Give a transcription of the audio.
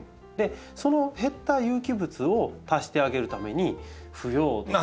その減った有機物を足してあげるために腐葉土とか。